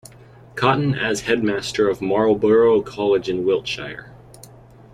Cotton as Headmaster of Marlborough College in Wiltshire.